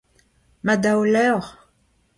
Ma daou levr.